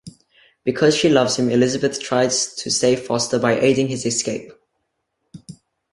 Because she loves him, Elisabeth tries to save Foster by aiding his escape.